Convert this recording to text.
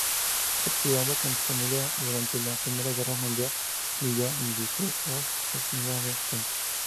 Exiliado con su familia durante la Primera Guerra Mundial, vivió en Vítebsk y Smolensk.